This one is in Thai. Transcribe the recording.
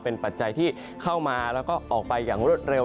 เป็นปัจจัยที่เข้ามาแล้วก็ออกไปอย่างรวดเร็ว